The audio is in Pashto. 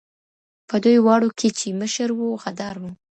په دوی واړو کي چي مشر وو غدار وو